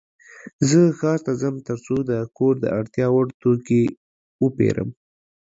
زه ښار ته ځم ترڅو د کور د اړتیا وړ توکې وپيرم.